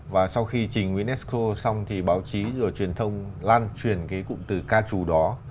và sau khi trình unesco xong thì báo chí rồi truyền thông lan truyền cái cụm từ ca trù đó